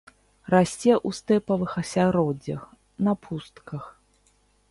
Расце ў стэпавых асяроддзях, на пустках.